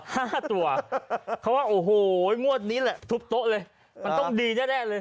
ห้าตัวเขาว่าโอ้โหงวดนี้แหละทุบโต๊ะเลยมันต้องดีแน่แน่เลย